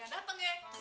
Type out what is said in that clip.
di manipulating bela